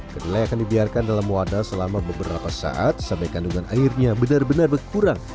kedelai akan dibiarkan dalam wadah selama beberapa saat sampai kandungan airnya benar benar berkurang